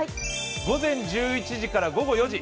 午前１１時から午後４時。